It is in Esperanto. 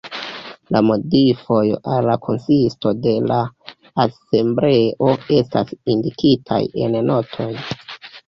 La modifoj al la konsisto de la Asembleo estas indikitaj en notoj.